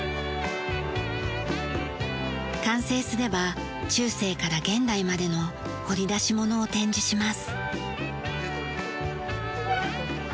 完成すれば中世から現代までの掘り出し物を展示します。